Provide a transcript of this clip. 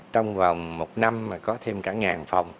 trong vòng một năm có thêm cả ngàn phòng